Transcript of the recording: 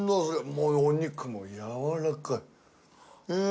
もうお肉もやわらかいえ